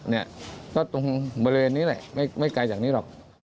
เนี่ยก็ตรงบริเวณนี้แหละไม่ไกลจากนี้หรอก